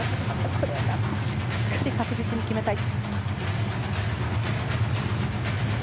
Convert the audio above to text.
これをなんとかしっかり確実に決めたい。